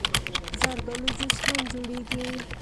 زردالو جوس هم جوړېږي.